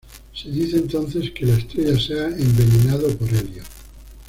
Se dice entonces que la estrella se ha "envenenado" por helio.